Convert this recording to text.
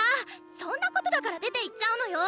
そんなことだから出ていっちゃうのよ！